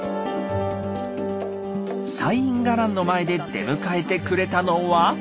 西院伽藍の前で出迎えてくれたのは。